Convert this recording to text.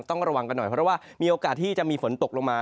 ต้องระวังกันหน่อยเพราะว่ามีโอกาสที่จะมีฝนตกลงมา